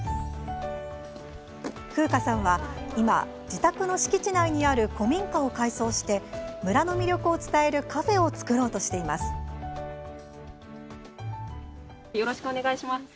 風夏さんは今、自宅の敷地内にある古民家を改装して村の魅力を伝えるカフェを作ろうとしています。